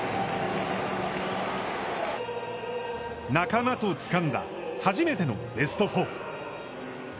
仲間とつかんだ初めてのベスト４。